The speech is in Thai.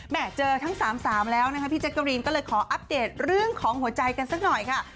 แหม่เจอทั้ง๓๓แล้วพี่เจกรีนก็เลยขออัปเดตเรื่องของหัวใจกันสักหน่อยค่ะ